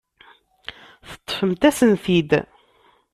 Teṭṭfemt-asen-t-id.